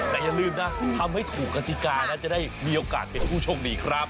แต่อย่าลืมนะทำให้ถูกกติกานะจะได้มีโอกาสเป็นผู้โชคดีครับ